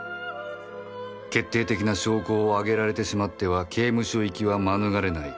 決定的な証拠を挙げられてしまっては刑務所行きは免れない